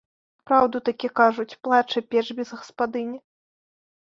Праўду такі кажуць, плача печ без гаспадыні.